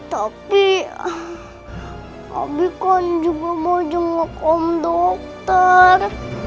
tapi abikon juga mau jembat om dokter